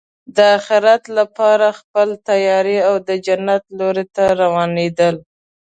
د اخرت لپاره خپله تیاری او د جنت لور ته روانېدل.